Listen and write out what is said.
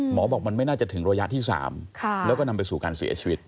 หมอบอกมันไม่น่าจะถึงระยะที่๓แล้วก็นำไปสู่การเสียชีวิต